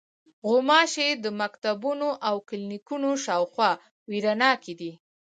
غوماشې د مکتبونو او کلینیکونو شاوخوا وېره ناکې دي.